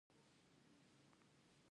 ذهن په لویوالي کي مغشوش کیږي.